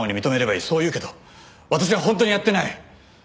そう言うけど私は本当にやってない！